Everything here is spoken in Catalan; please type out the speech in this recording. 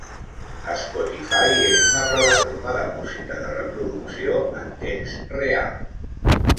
Spotify és una plataforma de música de reproducció en temps real.